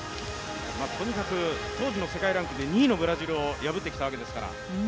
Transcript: とにかく当時の世界ランクで２位のブラジルを破ってきたわけですから。